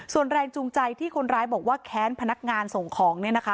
ส่วนแรงจูงใจที่คนร้ายบอกว่าแขนพนักงานส่งของ